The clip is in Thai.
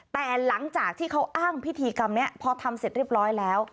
แต่หลังจากที่เขาอ้างพิธีกรรมนี้พอทำเสร็จเรียบร้อยแล้ว